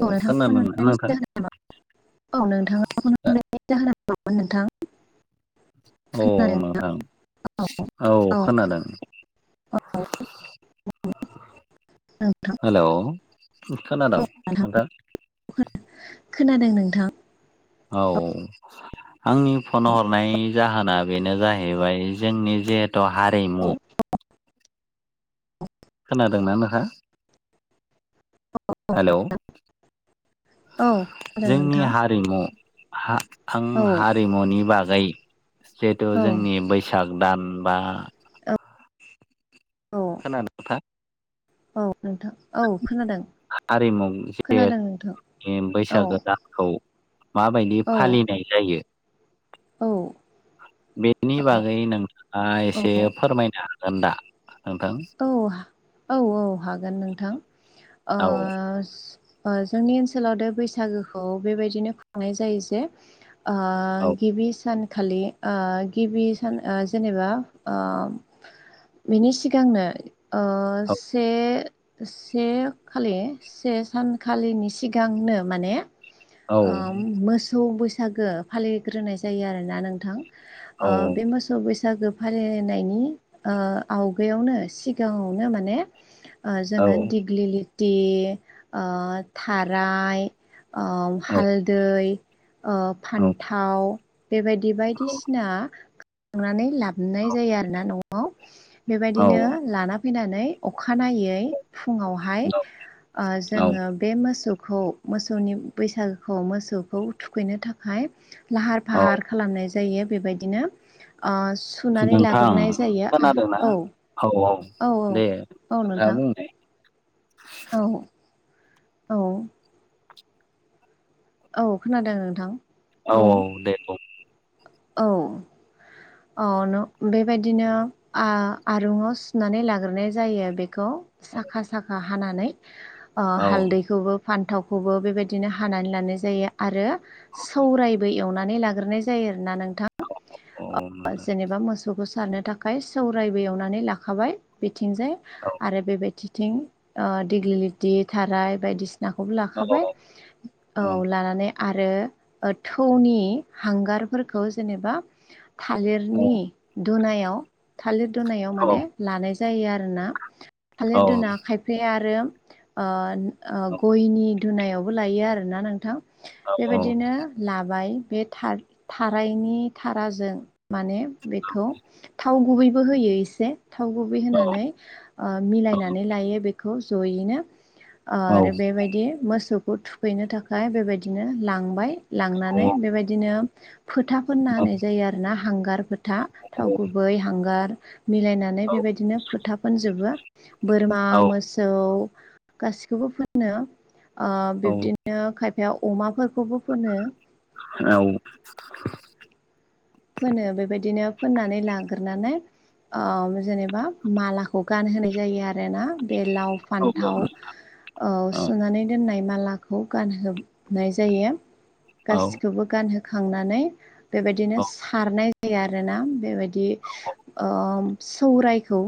औ नोंथाङा खोनादोंना फनहरनायनि नोंथां? जाहोना मा औ नोंथाङा फनहरनायनि जाहोना मामोन नोंथां? औ खोनादोंना नोंथां औ खोनादों। औ नोंथां हेल' खोनादोंं नोंथां? खोनादों नोंथां। औ आंनि फन हरनाय जाहोना बेनो जाहैबाय जोंनि जिहेथु हारिमु खोनादोंना नोंथाङा हेलौ औ औ खोनादों जोंनि नोंथां हारिमु हा आं औ हारिमुनि बागै जिहेथु जोंनि बैस साग दान बा औ औ [unintelligible] औ नोंथां औ खोनादों। हारिमुं जे खोनादों नोंथां औ बैसागो दानखौ माबायदि औ फालिनाय जायो। औ बेनि औ बागै नोंथाङा एसे फोरमायनो हागोन दा नोंथां। औ औ औ हागोन नोंथां औ जोंनि ओनसोलाव द बैसागोखौ बेबायदिनो खुंनाय जायो जे औ गिबि सानखालि गिबि सान जेनेबा बिनि सिगांनो ओ औ से से खालि से सानखालिनि सिगांनो माने मोसौ बैसागो फालिग्रोनाय जायो आरोना नोंथां। औ बे मोसौ बैसागो फालिनायनि आव गायावनो सिगाङावनो माने औ जोङो दिग्लि थि थाराय हालदै फान्थाव बेबायदि बायदिसिना खांनानै लाबो ननाय जायो आरो ना न'आव औ बेबायदिनो लाना फैनानै अखानायै फुङावहाय औ जोङो बे मोसौखौ मोसौनि बैसागोखौ मोसौखौ थुखैनो थाखाय लाहार औ फाहार खालामनाय जायो बेबायदिनो सुनानै नोंथां लाग्रोनाय जायो। खोनादोंना? औ औ दे औ नोंथाङा नोंथां बुंलाय औ औ औ खोनादों नोंथां औ बुं औ दे बुं औ अ‌ बेबायदिनो आरुाव सुनानै लाग्रोनाय जायो बे खौ साखा साखा हानानै औ हालदैखौबो फान्थावखौबो बेबायदिनो हानानै लानाय जायो आरो सौराय ब एवनानै लाग्रोनाय जायो आरोोना औ नोंथां नोंथां जेनेबा मोसौखौ सारनो थाखाय आखाय सौराय बे एवनानै लाखाबाय बिथिंजाय आरो बेबायदिथिं दिग्लि लिथि थाराय बायदिसिनाखौबो औ लाखाबाय औ लानानै आरो थौनि हांगार फोरखौ जेनेबा थालिरनि दुनायायाव थालिर दुनायायाव माने लानाय जायो आरोना औ थालिर दोना खायफाया आरो गयनि धुनायावबो लायो आरोना नोंथां औ औ बेबायदिनो लाबाय बे थार्ड थारायनि थाराजों माने बेखौ थाव गुबैबो होयो एसे थाव गुबै होनानै मिलायनानै लायो बेखौ जयैनो आरो बेबायदि मोसौखौ थुखैनो थाखाय बेबायदिनो लांबाय लांनानै बेबायदिनो फोथाफोन्ना होनाय जायो आरो ना हांगार था थाव गुबै हांगार मिलायनानै बेबायदिनो फोथा फोनजोबो। बोरमा मोसौ गासिखौबो फोनो ओ बिब्दिनो ओ खायफाया अमाफोरखौबो फुनो। औ फोनो बेबायदिनो फोननानै लागोरनानै ओम जेनेबा मालाखौ गानहोनाय जायो आरो ना बे लाव फान्थाव ओ सुनानै दोननाय मालाखौ गानहोनाय जायो। गासिखौबो गानहोखांनानै बेबायदिनो सि खारनाय जायो आरोना बेबायदि ओ सौरायखौ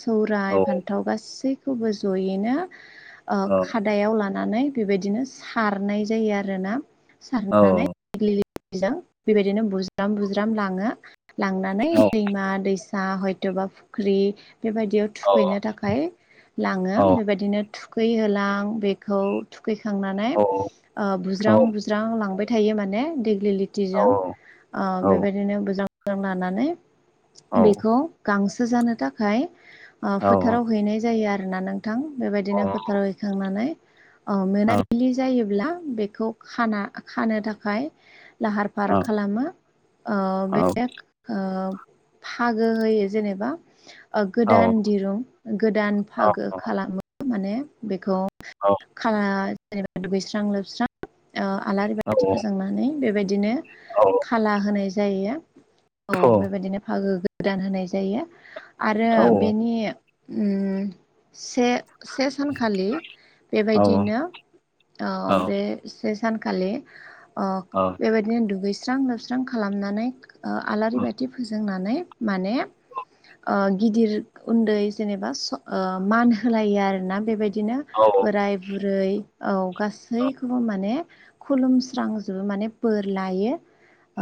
सौराय फान्थाव गासैखौबो जयैनो ओ खा दायाव लानानै बेबायदिनो सारनाय जायो। आरोना औ औ सारनानै [unintelligible] बेबायदिनो बुज्राम बुज्राम लाङो लांनानै औ दैमा दैसा हयथ'बा फुख्रि बेबायदियाव औ थुखैनो थाखाय लाङो औ बेबायदिनो थुखैहोलां बेखौ थुखैखांनानै औ ओ औ बुज्रां बुज्रां लांबाय थायो माने देग्लि लि औ थिजों ओ औ बेबायदिनो मोजां मोजां लानानै औ बेखौ गांसो जानो थाखाय ओ औ औ फोथाराव हैनाय जायो आरोना नोंथां औ बेबायदिनो फोथाराव खांनानै ओ मोनाबिलि जायोब्ला बे खौ खाना खानो थाखाय लाहार फाहार खालामो। ओ बे ओ फागो होयो जेनेबा औ गोदान दिरुं गोदान फागो खालामो माने बेखौ खाला जेनेबा दुगैस्रां लोबस्रां ओ आलारि बाथि फोजोंनानै बेबायदिनो औ फाला होनाय जायो औ बेबायदिनो फागो गोदान होनाय जायो। आरो बेनि उम से से सानखालि बेबायदिनो ओ बे से सानखालि ओ औ बेबायदिनो दुगैस्रां लोबस्रां खालामनानै ओ आलारि बाथि फोजोंनानै माने ओ गिदिर उन्दै जेनेबा स मान होलायो आर ना बेबायदिनो। बोराय बुरै औ गासैखौबो माने खुलुमस्रांजोबो माने बोर लायो।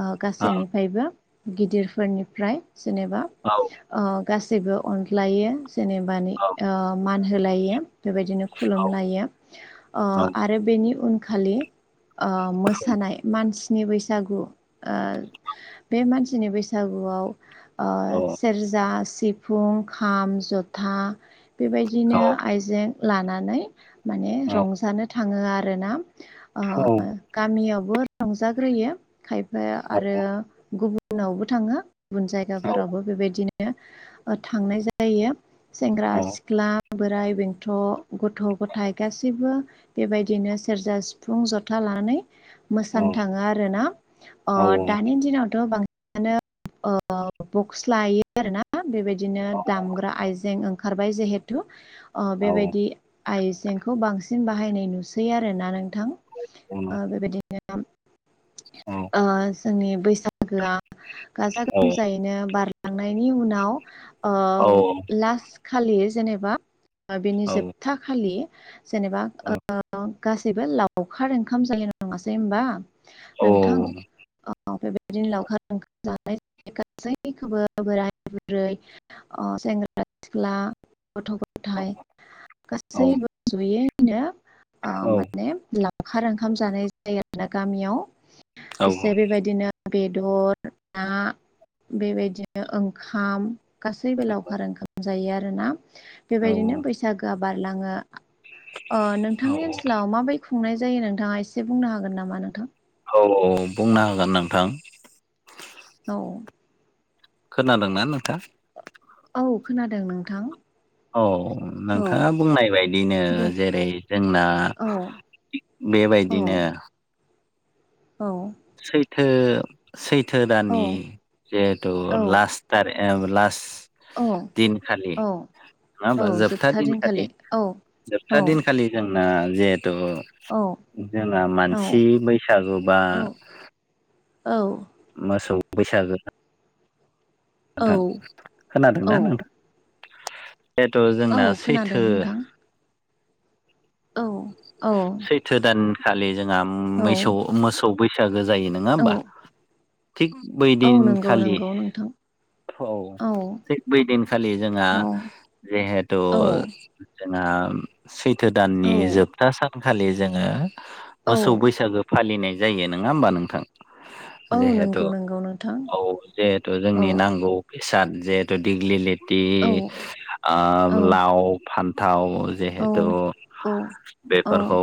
ओ गासैनिफ्रायबो गिदिरफोरनिफ्राय जेनेबा औ ओ गासैबो अनज्लायो जेनेबानि ओ मान होलायो बेबायदिनो। खुलुमलायो ओ आरो बेनि उनखालि ओ मोसानाय मानसिनि बैसागु ओ बे मानसिनि बैसागुआव ओ सेरजा सिफुं खाम जथा बेबायदिनो आइजें लानानै माने रंजानो थाङो आरोना ओ गामियावबो रंजाग्रोयो। फ्रा आरो गुबुनावबो थाङो गुबुन जायगाफोरावबो बेबायदिनो। थांनाय जायो सेंग्रा सिख्ला बोराइ बेंथ' गथ' गथाइ गासिबो बेबायदिनो सेरजा सिफुं जथा लानानै मोसानो थाङो आर ना अ दानि दिनावथ' बांसिनानो ओ बक्स लायो आरोना ना बेबायदिनो दामग्रा आइजें ओंखारबाय जिहेथु ओ बेबायदि आयजेंखौ बांसिन बाहायनाय नुसै आरोना नोंथां बेबायदिनो। ओ जोंनि बैसागोआ गाजा गोमजायै बिदिनो बारलांनायनि उनाव ओ लास खालि जेनेबा बेनि जोबथा खालि जेनेबा ओ गासैबो लावखार ओंखाम जालाय नङासै होनबा नोंथां। बेदिनो लावखार लखार जानाय गासैखौबो बोराय बुरै। अ सेंग्रा। सिख्ला गथ' गथायाइ गासैबो ज'यैनो। ओ माने लावखार ओंखाम जानाय जायो आरोना गामियाव। एसे बेबायदिनो बेदर ना बेबायदिनो ओंखाम गासैबो बेलावखार ओंखाम जायो आरो ना बेबायदिनो बैसागोआ बारलाङो। ओ नोंथांनि ओनसोलाव माबै खुंनाय जायो नोंथाङा एसे बुंनो हागोन नामा नोंथां? औ औ बुंनो होगोन नोंथां। औ। खोनादोंना नोंथां औ खोनादों नोंथां। औ औ नोंथाङा बुंनाय बायदिनो बुं जेरै जोंना। औ औ बेबायदिनो। औ। सैथो सैथो दाननि जिहेथु औ लास्ट थारिख। एबलास। औ दिनखालि औ नङा होमबा जोबथा दिनखालि औ जोबथा दिनखालि। जोंना जिहेथु औ जोंना औ मानसि बैसागु बा औ। मोसौ बैसागो नोंथां। औ औ खोनादोंना नोंथां? जिहेथु औ जोंना खोनादों सैथो नोंथां औ औ। थोदानखालि जोंहा औ मोसौ मोसौ बैसागो जायो नोङा औ होमबा। थिग औ बैदिन नंगौ खालि। नंगौ नोंथां औ थिग बैदिनखालि जोंहा जिहेथु औ जोंहा सैथो औ दाननि जोबथा सानखालि जोङो मोसौ औ बैसागो फालिनाय जायो नङा होमबा नोंथां। औ जिहेथु नंगौ नंगौ नोंथां औ जिहेथु औ जोंनि नांगौ फिसाद जिहेतु दिगलि लेथि औ आ औ लाव फान्थाव औ जेहेटु औ औ बेफोरखौ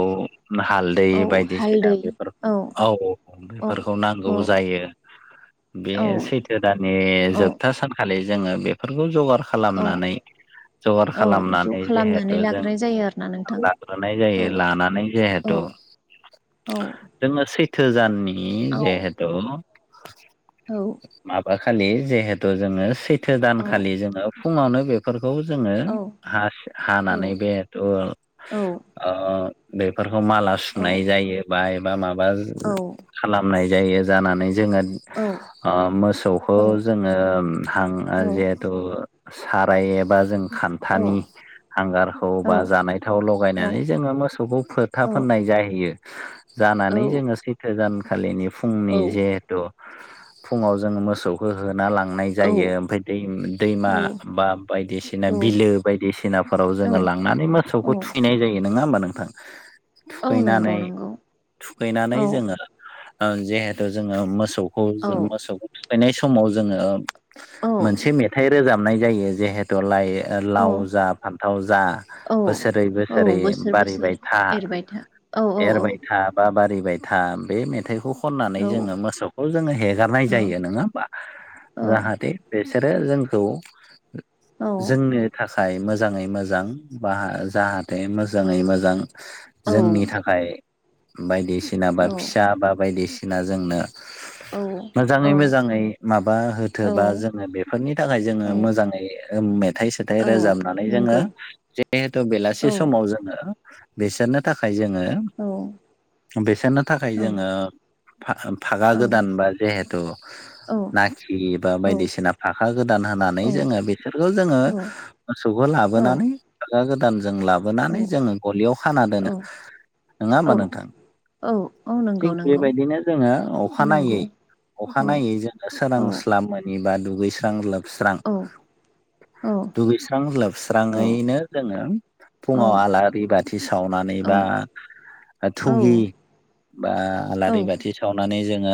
हालदै औ बायदिसिना हालदै बेफोरखौ औ औ औ। बेफोरखौ औ नांगौ जायो बे औ सैथो दानानि औ जोबथा सान। खालि जोङो बेफोरखौ जगार औ खालामनानै जगार औ ज' खालामनानै खालामनानै जिहेथु जों। लाग्रोनाय जायो आरोना नोंथां लानाय औ जायो लानानै औ जिहेतु औ जों सै थो दाननि औ जिहेथु। औ। माबा खालि जिहेथु जोङो सैथो औ दानखालि जोङो फुङावनो बे बेफोरखौ जोङो औ हास औ हानानै बे। औ ओ बेफोरखौ माला सुनाय जायो बा एबा माबा औ खालामनाय जायो जानानै जोङो ओ मोसौखौ जों। ओ हां जिहेतु साराय एबा जों खान थानि हांगारखौ बा जानाय थाव लगायनानै जोङो मोसौखौ फोथा फोननाय जाहैयो जानानै जोङो जानखालिनि फुंनि जिहेथु फुङाव जों मोसौखौ होना लाङो औ जायो दैमा औ बा बायदिसिना औ बिलो बायदिसिनाफोराव जोङो औ लांनानै औ मोसौखौ थुैनाय जायो नङा होमबा नोंथां औ नंगौ थुखैनानै नंगौ थुखैनानै औ जोङो जिहेथु जोङो मोसौखौ औ मोसौखौ थुखैनाय समाव जोङो औ मोनसे मेथाइ रोजाबनाय जायो जेहेतु दलाय औ लाव जा फान्थाव जा औ बोसोरै औ बोसोरै बोसोर बारिबाय बोसोर था एरबाय था औ औ एरबाय था बा बारिबाय था बे मेथाइखौ खननानै औ जोङो मोसौखौ जोङो हेगारनाय औ जायो नङा होमबा जाहाथे बेसोरो जोंखौ औ जोंनि थाखाय मोजाङै मोजां बा जाहाथे मोजाङै मोजां जोंनि थाखाय बायदिसिना बा फिसा बा बायदिसिना जोंनो औ मोजाङै मोजाङै माबा औ होथोबा जोङो बेफोरनि थाखाय जोङो औ मोजाङै मद मेथाय सेथाइ औ रोजाबनानै जोङो नंगौ जिहेथु बेलासि औ समाव जों बिसोरनो थाखाय जोङो औ बेसोरनो थाखाय औ जोङो फागा औ गोदान बा जिहेथु न औ औ नाखि बा बायदिसिना फाखा गोदान होनानै औ जोङो बिसोरखौ जोङो मोसौखौ औ लाबोनानै फागा गोदानजों लाबोनानै जोङो गलियाव खाना दोनो नङा होमबा औ नोंथां औ नंगौ थिग नंगौ बेबायदिनो जोङो नंगौ अखानायै औ अखानायै जों औ सोरांस्लाब मोनिबा दुगैस्रां लोबस्रां औ औ दुगैस्रां लोबस्राङैनो जोङो औ फुङाव आलारि बाथि सावनानै औ बा थुगि बा आलारि बाथि सावनानै जोङो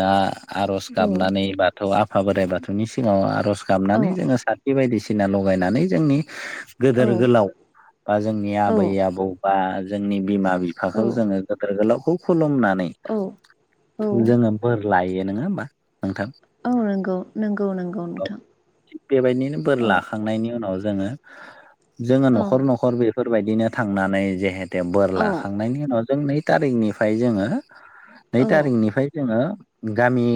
आर'ज गाबनानै बाथौ आफा बोराइ बाथौनि सिगाङाव आर'ज गाबनानै जोङो साखि बे बायदिसिना लगायनानै जोंनि गोदोर गोलाव बा जोंनि आबै आबौ बावबा जोंनि बिमा बिफाखौ जोङो गेदोर गोलावखौ खुलुमनानै जोङो बोर लायो नोङा होमबा नोंथां नंगौ नंगौ औ नोंथां बेबायदिनो बोर औ लाखांनायनि उनाव जोङो जोङो औ न'खर न'खर बेफोरबायदिनो थांनानै जेहेते बोर औ लाखांनायनि उनाव जों नै थारिनिफ्राय जोङो नै औ थारिनिफ्राय जोङो गामि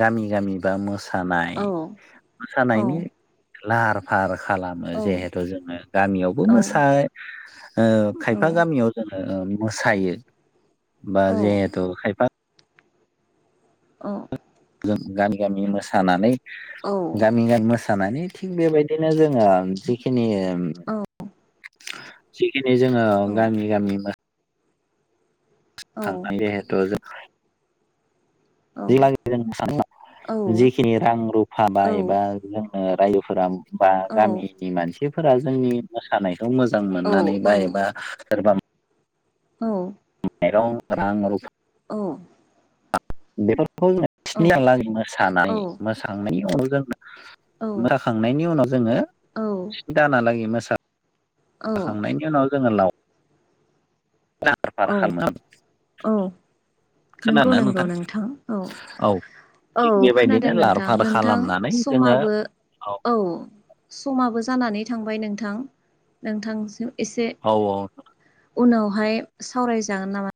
गामि गामि बा मोसानाय औ मोसानायनि औ लाहार फाहार खालामो औ औ जिहेथु जोङो गामियावबो औ औ मोसा औ औ खायफा गामियाव जोङो मोसायो बा जिहेथु खायफा अ गामि गामि मोसानानै गामि गामि मोसानानै थिग बेबायदिनो जोङो जिखिनि जिखिनि जोङो गामि गामि थांनाय जेहेतु जोङो जेब्लागै जों सान औ जिखिनि रां रुफाबाय बा जोंनो रायजोफोरा बा गामिनि मानसिफोरा जोंनि मोसानायखौ मोजां मोननानै बा एबा सोरबा औ माइरं रां रुफा औ बेफोरखौनो मोसानाय मोखांनायनि उनाव जों मोसाखांनायनि उनाव जोङो स्नि दाना लागै मोसा औ जाखांनायनि उनाव जोङो लाव लाहार फाहार खालामो औ नंगौ नंगौ नोंथां औ औ थिग औ बेबायदिनो खोनादों लाहार नोंथां फाहार नोंथां खालामनानै जोङो समाबो औ समाबो जानानै थांबाय नोंथां नोंथांसिम एसे औ औ उनावहाय सावरायजागोन नामा